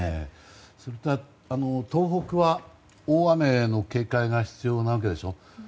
東北は大雨の警戒が必要なわけでしょ。